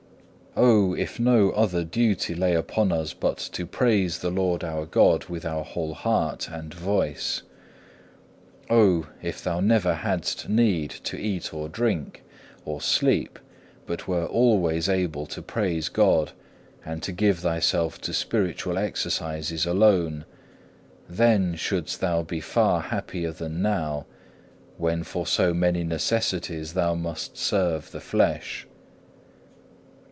8. O! if no other duty lay upon us but to praise the Lord our God with our whole heart and voice! Oh! if thou never hadst need to eat or drink, or sleep, but wert always able to praise God, and to give thyself to spiritual exercises alone; then shouldst thou be far happier than now, when for so many necessities thou must serve the flesh.